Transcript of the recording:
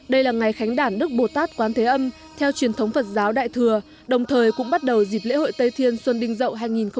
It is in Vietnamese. đây là ngày khánh đản đức bồ tát quán thế âm theo truyền thống phật giáo đại thừa đồng thời cũng bắt đầu dịp lễ hội tây thiên xuân đinh dậu hai nghìn hai mươi